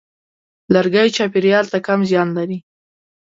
لرګی چاپېریال ته کم زیان لري.